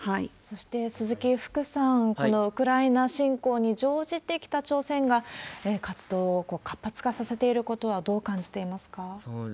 そして、鈴木福さん、このウクライナ侵攻に乗じて、北朝鮮が活動を活発化させていることは、どう感じていますか？